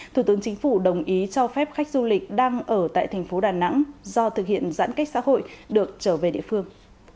thủ tướng chính phủ đồng ý cho phép khách du lịch đang ở tại thành phố đà nẵng do thực hiện giãn cách xã hội được trở về địa phương